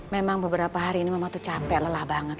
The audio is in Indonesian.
memang beberapa hari ini memang tuh capek lelah banget